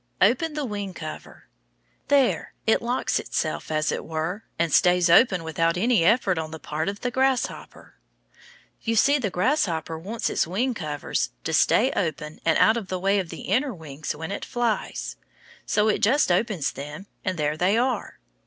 Open the wing cover. There, it locks itself, as it were, and stays open without any effort on the part of the grasshopper. You see the grasshopper wants its wing covers to stay open and out of the way of the inner wings when it flies. So it just opens them, and there they are.